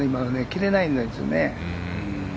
切れないんですね。